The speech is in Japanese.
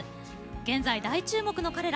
現在、大注目の彼ら。